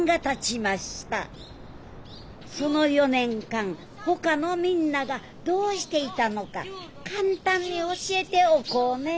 その４年間ほかのみんながどうしていたのか簡単に教えておこうねぇ。